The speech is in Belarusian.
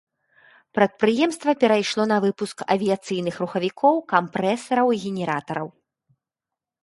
Прадпрыемства перайшло на выпуск авіяцыйных рухавікоў, кампрэсараў і генератараў.